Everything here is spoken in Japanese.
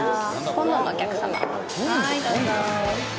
はいどうぞ。